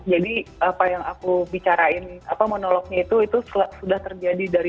jadi apa yang aku bicarain apa monolognya itu sudah terjadi dari dua ribu empat belas